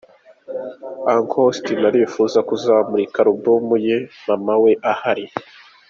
Uncle Austin arifuza kuzamurika alubumu ye Mama we ahari.